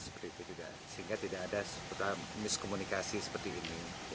sehingga tidak ada miskomunikasi seperti ini